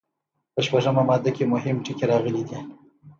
په شپږمه ماده کې مهم ټکي راغلي دي.